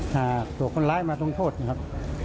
หากตัวคนร้ายมาตรงโทษนะครับ